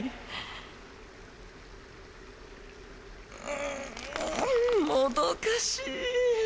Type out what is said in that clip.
うんもどかしい！